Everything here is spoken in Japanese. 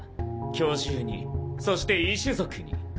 巨獣にそして異種族に。